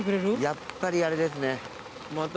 やっぱりあれですね。